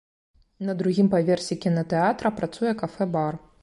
На другім паверсе кінатэатра працуе кафэ-бар.